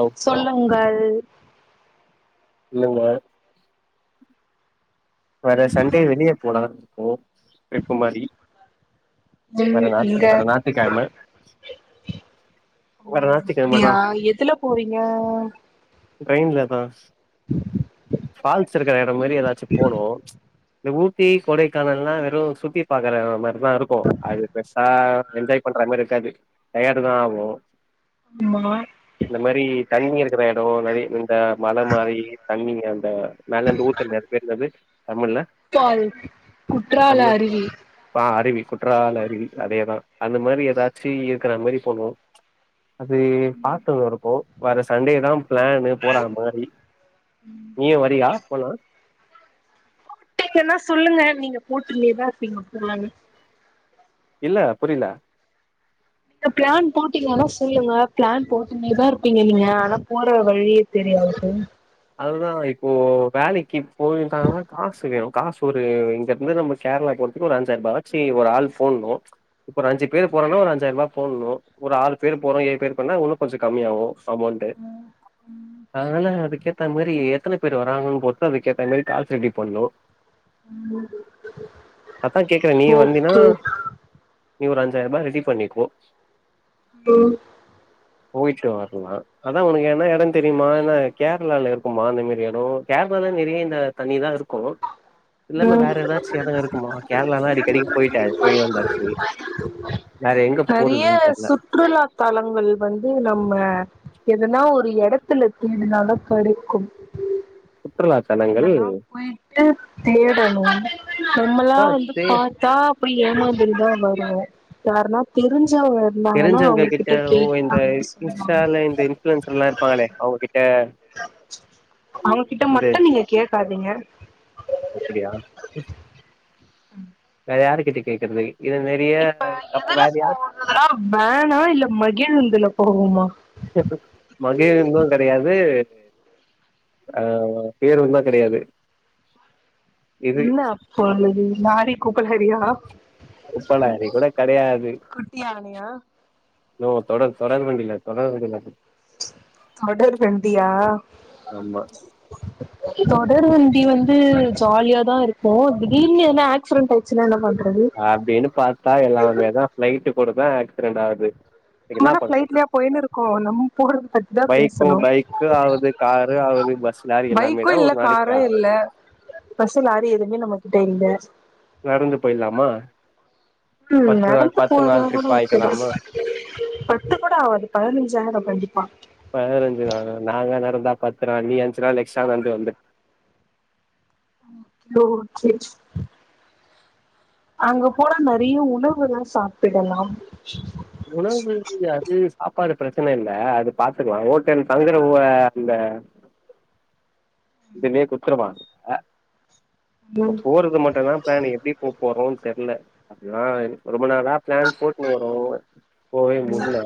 ஆ சொல்லுங்கள் து இல்லங்மா வற சண்டே வெளிய போலா ஒ ம் வர ஞாத்தி இங்க வர ஞாத்திக்கெழம வர ஞாத்திக்கெழம தா அப்புடியா எதுல போவீங்க ட்ரெயின்ல தா பால்ஸ் வச்சிருக்கிற எடோ மாரி எதாச்சு போனோ ச்ச் இந்த ஊட்டி கொடைக்கானல் ல்லா வெறு சுத்தி பாக்கற மாரி தா இருக்கு அது பெர்சா என்ஜாய் பண்ற மார் இருக்காது டயடு தா ஆவு ஆமா இந்த மாரி தண்ணி இருக்கிற எடோ நெறைய இந்த மல மாரி தண்ணி அந்த மேலெந்து ஊத்துமே திக் ஃபால் குற்றால தமிழ் அருவி ஆ அருவி குற்றால அருவி அதேதா அந்த மாரி எதாச்சி இருக்குற மாரி போனோ ச்ச் அது பாத்துன் இருக்கோ வர சண்டே தா பிளான்னு போற மாரி நீயு வரியா போலா ட்டாச்சுனா தா சொல்லுங்க நீங்க போட்டுனேதா இருப்பீங்கோ [unintelligible] இல்ல புரில நீங்க ப்ளான் போட்டீங்கன்னா சொல்லுங்க ப்ளான் போட்டுன்னேதா இருப்பீங்க நீங்க ஆனா போற வழியே தெரியாது [unintelligible] அதுதா இப்போ வேலைக்கி போயிருங்கன்னா காசு வேணு காசு ஒரு இங்கருந்து நம்ம கேரளா போறத்துக்கு ஒரு அஞ்சாயிர ரூபாவாச்சு ஒரு ஆள் போட்ணு இப்ப ஒரு அஞ்சு பேர் போறோன்னா ஒரு அஞ்சாயிர ரூபா போட்ணு ஒரு ஆறு பேரு போறோ ஏழு பேர் போறோன்னா இன்னு கொஞ்சோ கம்மியாவு அமௌண்ட்டு அதனால அதுக்கே ஏத்தாமாரி எத்தன பேரு வராங்கன்னு பொறுத்து அதுக்கேத்த மாரி காஸ் ரெடி பண்ணனு அதா கேக்குறே நீயு வந்தினா ஓகே நீ ஒரு அஞ்சாயிரம் ரூபா ரெடி பண்ணிக்கோ ம் போயிட்டு வரலா அதா உனக்கு என்ன எட தெரியுமா ஏனா கேர் கேரளால இருக்குமா இந்த மாரி எடோ கேரளால நெறைய இந்த தண்ணி தா இருக்கு ம் ஆமா கேரளாலா அடிக்கடிக்கு போயிட்டே போயி வந்தாச்சு வேற எங்க நெறைய போறதுன்னு தெர்ல சுற்றுலா தலங்கள் வந்து நம்ம எதனா ஒரு எடத்துல தேடுனாதா கெடைக்கு சுற்றுலா தலங்கள் இல்லனா போயிட்டு தேடணு நம்மளா ஆ வந்து தெ பாத்தா [unintelligible] ஏனோங்குறது தா வரு யாரன்னா தெரிஞ் தெரிஞ்சவங்கக்கிட்ட ஓ இந்த வந்து சொல்லுவாங்க இன்ஸ்டால இந்த இன்ஃபளுன்சர்லா இருப்பாங்களே அவங்ககிட்ட அவங்ககிட்ட இந்த மட்டு நீங்க கேட்காதீங்க அப்டியா உம் இப்ப யாருக்கிட்ட கேக்கறது வேனா இல்ல மகிழுந்துல போவோமா மகிழுந்து கெடையாது ஆ பேருந்து கெடையாது இது என்ன அப்ப அல்லது லாரி குப்ப லாரியவா குப்ப லாரி கூட கெடையாது குட்டி யானையா போவ தொடங் தொடர் வண்டியில தொடர் வண்டியில [unintelligible] தொடர் வண்டியா ஆமா தொடர் வண்டி வந்து ஜாலியா தா இருக்கு திடிர்னு எதனா ஆக்சிடென்ட் ஆயிட்ச்சின்னா என்ன பண் அப்டின்னு பாத்தா எல்லாமே தா ப்ளைட்டு போறப்ப ஆக்சிடென்ட் ஆகுது இதுக்கு நம்ம என்ன என்னா பண்ண ப்ளைட்லய போயின்னு இருக்கோ நம்ம போறது பத்திதா பைக்கும் பேசணு பைக்கு ஆகுது காரு ஆகுது பஸ் லாரி எல்லாமே பைக்கு தான் இல்ல ஒரு நாளைக்கு காரு இல்ல ஆகுது பஸ் லாரி எதுவுமே நம்ம கிட்ட இல்ல நடந்து போயிர்லாமா ம் நடந்து போறதா இருந்தாலு ஓகேதா ஆயிக்கலாமா பத்து கூட ஆவாது பதினைஞ்சாயிடு கண்டிப்பா பதினைஞ்சு நாலும் நாங்க நா கத்துறே நீ அஞ்சு நாள் எக்ஸ்ட்ரா நடந்து வந்த நோ சேன்ஜ் அங்க போல நெறைய உணவுகள் சாப்பிடலாம் உணவு அது சாப்பாடு பிரச்சன இல் அது பாத்துக்கலா ஓட்டல் தங்கற அந்தஅந்த இதுமே குற்றமா ஆ ப்ப ம் போறது மட்டோ தா பிளானு எப்டி போ போறோ தெர்யல அதுதா எனக்கோ ரொம்ப நாளா பிளான் போட்டுனு வரோ போவே முடியல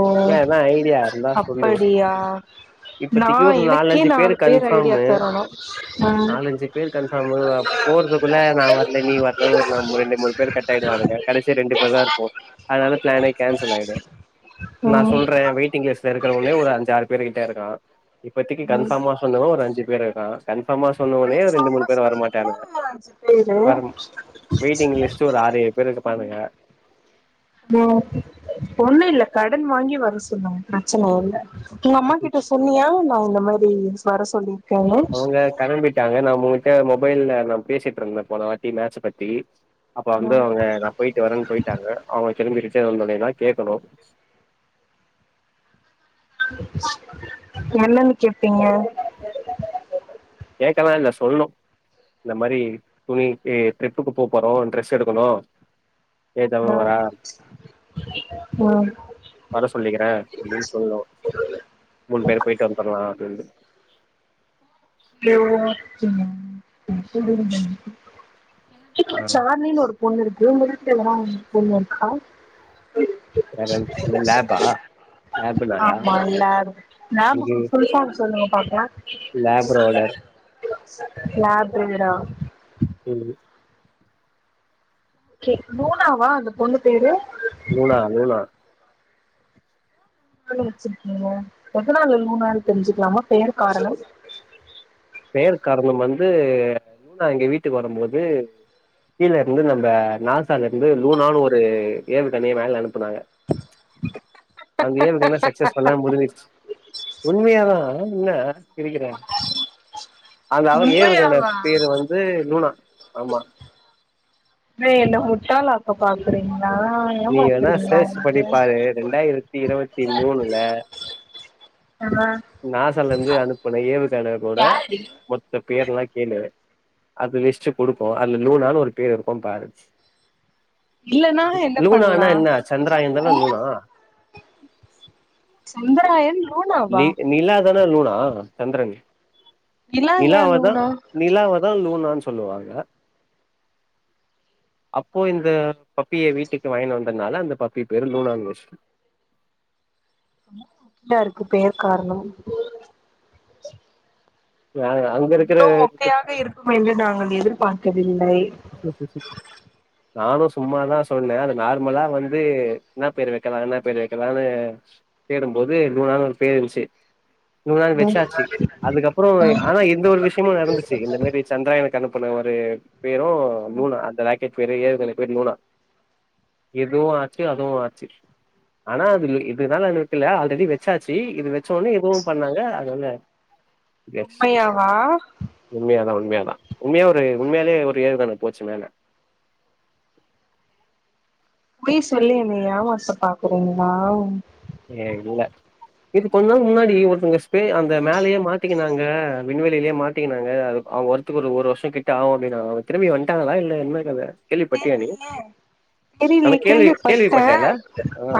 ஓ ஏத ஐடியா இருந்தா சொல்லு அப்படியா நா இப்பத்திக்கு ஒரு எனக்கே நாலஞ்சு பேரு நாலு பேர் ஐடியா கன்பார்மு தரணு ம் நாலஞ்சு பேர் கன்பார்மு போறதுக்குள்ள நா வரல நீ வரலன்னு ஒரு ரெண்டு மூணு பேரு கட் போய்டுவானுங்க கடைசியா ரெண்டு பேர் தா இருப்போ அதனால பிளனே கேன்சல் ஆயிடோ நான் ம் சொல்றே வெயிட்டிங் லிஸ்ட்ல இருக்குறவனே ஒரு அஞ்சறு பேரு டே இருக்கா இப்பத்தி கன்ஃபார்மா சொல்லனும்னா ஒரு அஞ்சு பேர் இருக்கா கன்ஃபார்மா சொன்ன ஒன்னேயே ரெண்டு கன்ஃபார்மா மூணு பேரு வரமாட்டனுங்க சொன்னது அஞ்சு பேரு வர வெயிட்டிங் லிஸ்ட்டு ஒரு ஆறு ஏழு பேரு இருப்பானுங்க மோ ஒன்னு இல்ல கடன் வாங்கி வர சொல்லுங்க பிரச்சன இல்ல உங்க அம்மா கிட்ட சொன்னியா ஆஹ் இந்த மாரி வர சொல்லி அவுங்க கெளம்பிட்டாங்க நம்ம கிட்ட மொபைல்ல நா பேசிட்டு இருந்தே போன வாட்டி மேட்ச பத்தி அப்ப வந்து ம் அவுங்க நா போயிட்டு வரேன்னு போயிட்டாங்க அவுங்க கிளம்பிரு டே வந்தோன்னே தா கேக்கனு என்னன்னு கேப்பீங்க கேக்கல்லா இல்ல சொல்னோ இந்த மாரி துணிக்கி ட்ரிப்புக்கு போபோறோ ட்ரெஸ் எடுக்கனும் ஏத் அவே வரா ம் வர சொல்லிக்கிறே அப்டினு சொல்லனு மூணு பேரு போய்ட்டு வந்துரலா அப்டின்டு [inaudible] ஆ. சாம்லின்னு ஒரு பொண்ணு இருக்கு உங்க வீட்ல எதனா பொண்ணு இருக்கா வேற இந்த லேபா? லேப் நாயா? ஆமா எல்லாருக்கு எங்க லேபுக்கு ஃபுல் ஃபாம் சொல்லுங்க பாக்கலா ப்ரோனர் லேபு ப்ரீட்டா என்னது கே லூனாவா அந்த பொண்ணு பேரு லூனா லூனா. லூனான்னு வெச்சிருக்கீங்க எதனால லூனான்னு தெரிஞ்சுக்கலாமா பேர் காரணம் பேர் காரணம் வந்து லூனா எங்க வீட்டுக்கு வரும் போது கீழ இருந்து நம்ப நாசால இருந்து லூனான்னு ஒரு ஏவுகணைய மேல அனுப்புனாங்க அந்த ஏவுகணை சக்சஸ் ஃபுல்லா முடிஞ்சிருச்சி உண்மையாதா என்ன சிரிக்கிறே அது அவ ஏவு கண உண்மையாவா பேரு வந்து லூனா ஆமா வே என்ன முட்டாளாக்க பாக்குறீங்க நீ வேனா சேர்ச் பண்ணிப்பாரு ரெண்டாயிரத்தி இருபத்தி மூணுல ஆமா நாசால இருந்து அனுப்புன ஏவுகண கூட யாரடி மொத்த பேர்லா கேளு அது லிஸ்ட்டு குடுக்கோ அதுல லூனானு ஒரு பேர் இருக்கோ பாரு இல்லனா என்ன லூனானா பண்லா என்ன சந்திராயந்தான லூனா சந்திராயன் நி லூனாவா நிலா தான லூனா சந்திரன் நிலா ஏ நிலாவதா லூனா நிலாவதா லூணா னு சொல்லுவாங்க அப்பொ இந்த பப்பிய வீட்டுக்கு வாயினு வந்தனால அந்த பப்பி பேரு லூனாங்கோஷ் தா இருக்கு பேர் காரணம் அங்க இருக்கிற இவ்ளொ மொக்கையாக இருக்கும் என்று நாங்கள் எதிர் பார்க்கவில் [inaudible] நானு சும்மாதா சொன்னே அது நார்மலா வந்து என்ன பேர் வைக்கலா என்ன பேர் வைக்கலானு தேடும்போது நூணானு ஒரு பேர் இன்ச்சு நூனான் வச்சாச்சி அதுக்கப்புறோ ஆனா இந்த ஒரு விஷ்யமு நடந்துச்சி இந்த மாரி சந்திராயனுக் அனுப்புனவ [unintelligible] பேரு லூனா அந்தலை கெப்பேரு ஏவுகணை பேரு லூனா இதுவு ஆச்சு அதுவு ஆச்சு ஆனா அது இதுனாலன் வக்கில ஆல்ரெடி வச்சாச்சி இது வச்சோன இதுவும் பண்ணாங்க அதுனால எஸ் உண்மையாவா உண்மாயாதா உண்மாயாதா உண்மயா ஒரு உண்மயாலே ஒர் ஏவுகண போச்சு மேல பொய் சொல்லி என்ன ஏமாத்த பாக்குறீங்ளா ஏ இல்ல இது கொஞ் நாள் முன்னாடி ஒருத்தங்க ஸ்பே அந்த மேலயே மாட்டிக்கினாங்க விண்வெளிலே மாட்டிக்கினாங்க அது அவுங்க வருத்துக்கு ஒரு வருஷொ கிட்ட ஆவு அப்டினாங்க அவுங்க திரும்பி வந்ட்டாங்ளா இல்ல என்ன கத கேள்விப்பட்டியா நீ தெரிலியெ தெரிலெயே கேள்வி பட்ட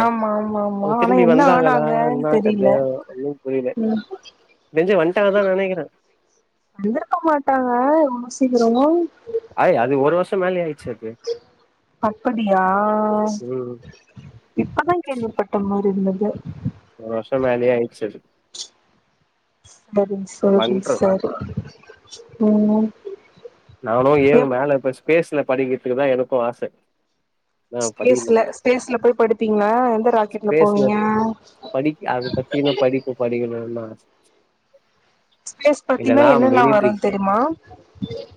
ஆமா ஆமா ஆம் அவுங்க திரும்பி வந்தாங்களா என்ன கத ஒன்னும் புரில ம் நெஞ்சு வன்ட்டாங்க தா நெனக்கிறே வந்துருக்க மாட்டாங்க இவ்ளோ சீக்கிரொ ஆய் அது ஒரு வருஷம் மேலயே ஆயிடுச்சு அது அப்படியா ம் இப்பதா கேள்விப்பட்ட ம இருந்தது ஒரு வர்ஷொ மேலயே ஆயிட்ச்சது சரி சரி சரி உம்ஹ் நானோ ஏவ் மேல இப்ப ஸ்பேஸ்ல படிக்கிற்துக்குதா எனக்கு ஆச ஆனா படிக்கல ஸ்பேஸ்ல ஸ்பேஸ்ல போய் படிப்பீங்க எந்த ராக்கெட்ல ஸ்பேஸ்ல போவீங்க படிக்க அத பத்தி இன்னு படிப்பு படிக்கணும்னு ஆச ஸ்பேஸ் பத்தினா இல்லன்னா என்னன்னா மிலிட்ரி வருன் தெரியுமா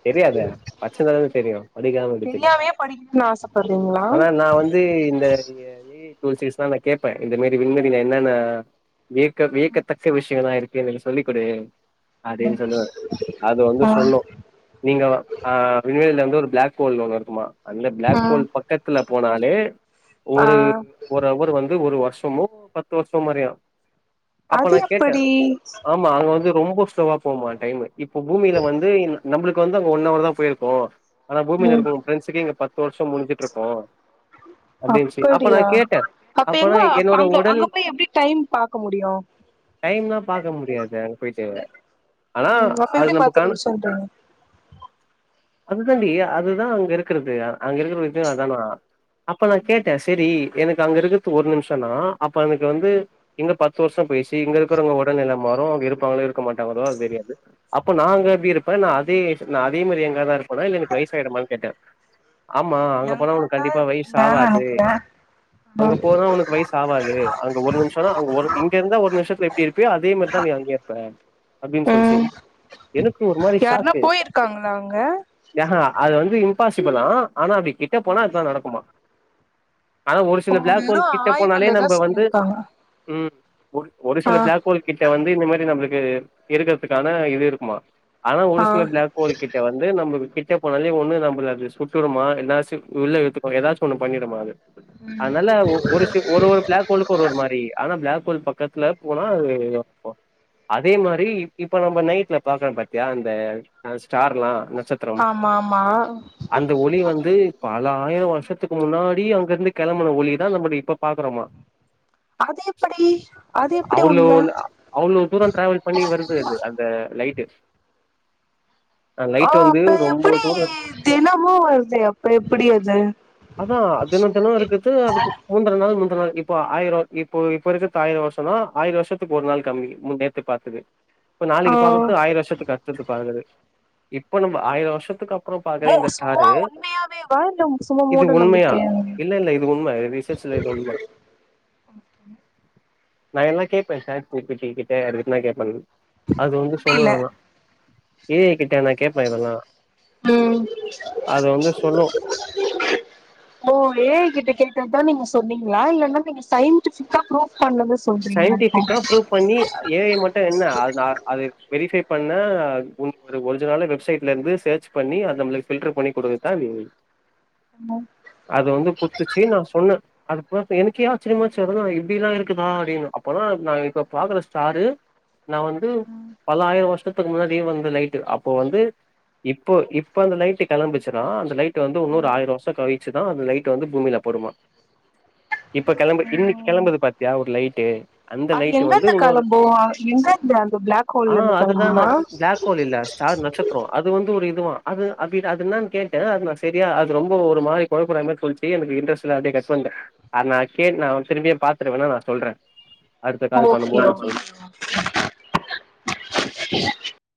தெரியாதே பட்சுருந்தாதானெ தெரியு படிக்காம எப்டி தெரியு தெரியாமயே படிக்கணும்னு ஆசப்படுறீங்களா ஆனா நா வந்து இந்த ய [unintelligible] நா கேப்ப இந்த மாரி விண்மதில என்னனா வியக்க வியக்கத்தக்க விஷ்யங்களா இருக் எனக்கு சொல்லி் குடு அடின் சொல்லுவே அது வந்து ஆ சொல்லு நீங்க ஆஹ் விண்வெளில வந்து ஒரு பிளாக் ஹோல் ஒண்ணு இருக்குமா அந்த ஆ பிளாக் ஹோல் பக்கத்துல போனாலே ஆ ஒரு ஒரு அவர் வந்து ஒரு வருஷமோ பத்து வருஷம் அறியா அப்ப அது நான் கேட்டேன் எப்படி ஆமா அங்க வந்து ரொம்ப ஸ்லோவா போமா டைமு இப்ப பூமில வந்து நம்மளுக்கு வந்து அங்க ஒன் அவர் தான் போயிருக்கு ஆனா பூமில ம் இருக்க ஃபிரண்ட்ஸ் க்கு இங்க பத்து வருஷம் முடிஞ்சுட்டு இருக்கோம் அப்படின்னுச்சி அப்ப அப்படியா நான் கேட்டேன் அப்ப அப்பனா எங்க என்னோட அங்க உடல் அங்க போய் எப்படி டைம் பாக்க முடியு டைம் தான் பாக்க முடியாது அங்க போயிட்டு ஆனா ம் அப்ப அது எப்படி நம்ப பத்து நிமிஷன்றீங்க அதுதாண்டி அதுதா அங்க இருக்கிறது அங்க இருக்கிற விதும் அதானா அப்ப நான் கேட்டேன் சரி எனக்கு அங்க இருக்கது ஒரு நிமிஷம்னா அப்ப எனக்கு வந்து இங்க பத்து வருஷம் போய்ச்சு இங்க இருக்கவங்க உடல் நில [unintelligible] அங்க இருபங்களோ இருக்க மாடங்களோ அது தெரியாது அப்ப நா அங்க எப்டி இருப்ப அப்ப நான் அதே நான் அதே மாரி எங்காதா இருப்பண இல்ல எனக்கு வயசாயுடுமா கேட்டேன் ஆமா அங்க போனா உனக்கு எங்கதா கண்டிப்பா வயசு இருப்பீங்கன்னு ஆவாது நெனைக்கிறே அங்க போனா உனக்கு வயசு ஆவாது அங்க ஒரு நிமிஷம்னா அங்க ஒரு இங்க இருந்தா ஒரு நிமிஷத்துல எப்படி இருப்போ அதே மாதிரிதான் நீ அங்க இருப்பே அப்படின்னு சொல்லிச்சு ம் எனக்கு ஒரு மாதிரி யாருன்னா சாக்கு போயிருக்காங்களா அங்க ஹ ஹ அது வந்து பாசிபிளா ஆனா அது கிட்ட போனா அதுதா நடக்குமா ஆனா ஒரு ஓ சில பிளாக் ஹோல் வெறு கிட்ட போனாலே ஆய்வுலதா நம்ம வந்து சொல்லிருக்காங்க ம் ஒரு ஆ சில ஜாக் ஹோல் கிட்ட வந்து இந்த மாதரி நம்மளுக்கு இருக்கிறதுக்கான இது இருக்குமா ஆனா ஆ ஒரிஜினல் பிளாக் ரோல் கிட்ட வந்து நமக்கு கிட்ட கேப்பாங்கள்ல ஒன்னு நம்பள அது சுட்டுடுமா எதாச்சு உள்ள இருக்க எதாச்சு ஒன்னு பண்ணிடுமா அது அதுனால ஒ ஒரு ஷூ ஒரு ஒரு பிளாக் ஹோலுக்கு ஒரு ஒரு மாரி ஆனா பிளாக் கின் பக்கத்துல போனா அது அஹ் அதே மாரி இப்ப நம்ப நைட்ல பாக்கலா பட் யார் அந்த ஃபஸ்ட் ஸ்டார்லா நச்சத்ரம் ஆமா ஆமா அந்த ஒளி வந்து பல பதுனேழு வர்ஷத்துக்கு முன்னாடி அங்கருந்து கெளம்புன ஒலிதா நம்பத இப்ப பாக்குறமா அது எப்படி அது எப்படி உண்ம அவ்ளோலா அவ்ளோ தூர ட்ராவல் பண்ணி வருது அது அந்த லைட்டு அந்த லைட் ஆஹ் வந்து அப்ப ரொம்ப எப்பிடி தூரோ தினமு வருது அப்ற எப்பிடி அது அதா தினோ இப்ப ஆயிரோ இப்போ இப்ப இருக்க காலேல வர்ஷானா ஆயிர வர்ஷத்துக்கு ஒரு நாள் கம்மி முன் நேத்து பாத்தது இப்ப நாளைக்கு ஆ பாக்கற்து ஆயிர வர்ஷத்துக்கா ஈ சி பழகவே இப்ப வந்து ஆயிர வர்ஷத்துக்கு அப் ப்ற பாக்கவே மு சும்மா இன்ட்ரெஸ்ட்டாரு உண்மையாவேவா இல்ல சும்மா இது மூட உண்மையா நம்பிக்கையா இல்ல இல்ல இது உண்ம ரிசப்ஷன்ல இது இல்ல நா எல்லா கேப்பே ஷேட் ஜி பி டி க்கிட்ட ரிப்ளே கேப்பேங்க அது வந்து சொல்லு எல்லா ஏ ஐ கிட் உம் அது வந்து சொல்லு ஓ ஏ ஐ கிட்டக் கே க்றதானுங்க சொன்னீங்ளா இல்லனா நீங்க சயின்டிஃபிக்கா ப்ரூஃப் சயின்டிஃபிக்கா ப்ரூவ் பண்ணி அ ஏ ஐ மட்டு என்ன அது நா அது வெரிஃபை பண்ணா ஒரு அது கொஞ்ச நாளாக வெப்சைட்ல இருந்து சர்ச் பண்ணி அத நம்மளுக்கு ஃபில்ட்ரு பண்ணி குடுக்கர்தா ஏ ஐ அது வந்து குட்த்துச்சு நா சொன்னே அதுப் போட்டு எனக்கே ஆச்ரியமாச்சு என்னனா இப்டிலா இருக்குது அப்டினு அப்பதா நாங்க இப்ப பாக்குற ஸ்டாரு நா வந்து பல்லாயிர வர்ஷ் ஷத்துக்கு முன்னாடியே வந்த லைட்டு அப்போ வந்து இப்போ இப்ப அந்த லைட்டு கெளம்புச்சுனா அந்த லைட் வந்து இன்னொரு ஆயிர வர்ஷ கழிச்சுதா அந்த லைட் வந்து பூமில படுமா இப்ப கெளம்ப இன்னைக்கு கெளம்புது பார் யா ஒரு லைட்டு அது எங்கங்க உன்னொரு கெளம்பு ஆஹ் எங்கந்த அந்த பிளாக் ஆ ஹோல்ல இருந்து கெளம்புமா த்ரோ அது வந்து ஒரு இதுவா அது அஹ்கைன் அது என்னான் கேட்டே அது நா செரியா அது ரொம்ப ஒரு மாரி கொழப்புர மாரிருன்ச்சு எனக்கு இன்ட்ரெஸ்ட் இல்ல அப்டினே சொல்டே அன் அக்கைன் நா திரும்பி பாக் என்ன வேணா நா சொல்றே அடுத்த கால் ஓகே பண்ணும்போது நா சொல்றே